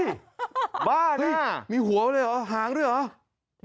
เฮ้ยบ้าเนี่ยมีหัวไปด้วยหรอหางไปด้วยหรอ